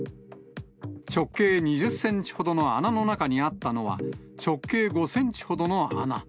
直径２０センチほどの穴の中にあったのは、直径５センチほどの穴。